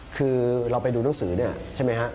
คือเราไปดูหนังสือเนี่ยใช่ไหมฮะ